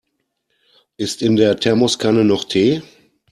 Ist in der Thermoskanne noch Tee?